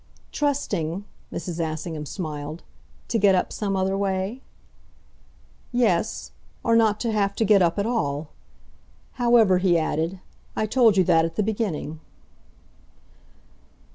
"Trusting," Mrs. Assingham smiled, "to get up some other way?" "Yes or not to have to get up at all. However," he added, "I told you that at the beginning."